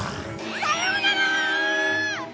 さようなら！